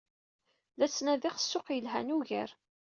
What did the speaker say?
La ttnadiɣ ssuq yelhan ugar.